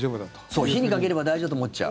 そう、火にかければ大丈夫だと思っちゃう。